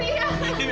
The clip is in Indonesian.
dewi jangan pergi